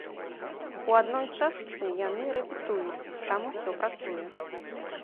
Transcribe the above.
У адной частцы яны рэпетуюць, там усе працуе.